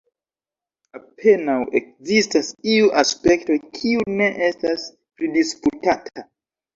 Apenaŭ ekzistas iu aspekto, kiu ne estas pridisputata.